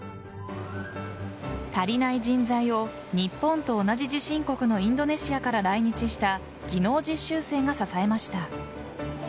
足りない人材を日本と同じ地震国のインドネシアから来日した技能実習生が支えました。